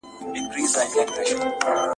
کله ژبه د ټولنې په اړه رامنځ ته شي، خبره کېږي.